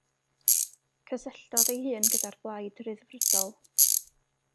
Cysylltodd ei hun gyda'r Blaid Ryddfrydol.